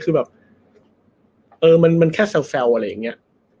คือแบบเออมันแค่แซวอะไรอย่างนี้